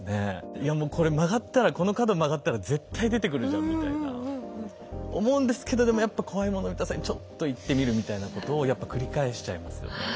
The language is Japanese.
いやもうこれ曲がったらこの角曲がったら絶対出てくるじゃんみたいな思うんですけどでもやっぱ怖いもの見たさにちょっと行ってみるみたいなことをやっぱ繰り返しちゃいますよね。